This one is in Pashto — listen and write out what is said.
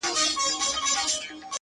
تش په نامه دغه ديدار وچاته څه وركوي _